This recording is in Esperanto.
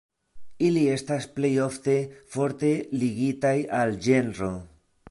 Ili estas plej ofte forte ligitaj al ĝenro.